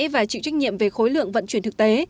và chịu trách nhiệm về khối lượng vận chuyển thực tế